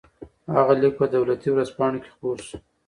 هغه لیک په دولتي ورځپاڼو کې خپور شو.